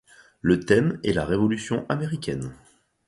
Le thème est la révolution américaine.